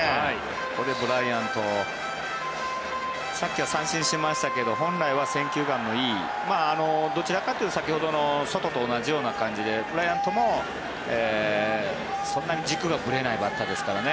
ここでブライアントさっきは三振してましたけど本来は選球眼のいいどちらかというと先ほどのソトと同じような感じでブライアントもそんなに軸がぶれないバッターですからね。